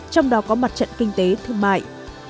trong đó có mặt trận kinh tế thương mại